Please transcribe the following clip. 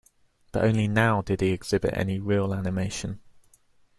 But only now did he exhibit any real animation.